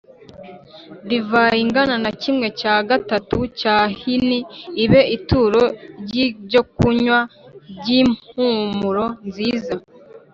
Divayi ingana na kimwe cya gatatu cya hini ibe ituro ry ibyokunywa ry impumuro nziza